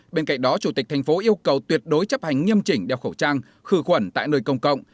bên cạnh đó chủ tịch thành phố yêu cầu tuyệt đối chấp hành nghiêm chỉnh đeo khẩu trang khử khuẩn tại nơi công cộng